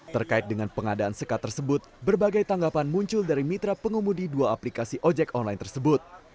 terkait dengan pengadaan sekat tersebut berbagai tanggapan muncul dari mitra pengemudi dua aplikasi ojek online tersebut